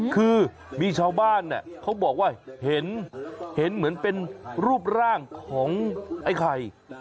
คือมีชาวบ้านเขาบอกว่าเห็นเหมือนเป็นรูปร่างของไอ้ไข่